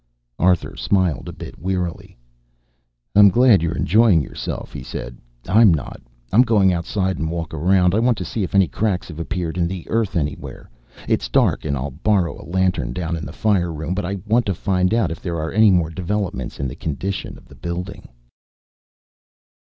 Arthur smiled a bit wearily. "I'm glad you're enjoying yourself!" he said. "I'm not. I'm going outside and walk around. I want to see if any cracks have appeared in the earth anywhere. It's dark, and I'll borrow a lantern down in the fire room, but I want to find out if there are any more developments in the condition of the building."